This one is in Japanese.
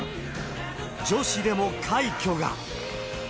女子でも快挙が。